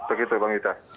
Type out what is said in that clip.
begitu bang irsya